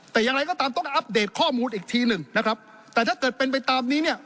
แต่อย่างไรก็ตามต้องอัปเดตข้อมูลอีกทีหนึ่งนะครับแต่ถ้าเกิดเป็นไปตามนี้เนี่ย